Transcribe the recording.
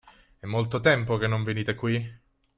È molto tempo che non venite qui?